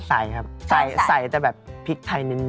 ใส่ครับใส่แต่แบบพริกไทยเน้น